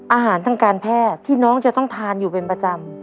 อาหารทางการแพทย์ที่น้องจะต้องทานอยู่เป็นประจำ